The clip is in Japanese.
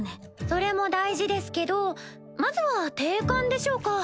それも大事ですけどまずは定款でしょうか。